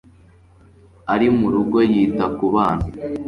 Ari murugo yita kubana.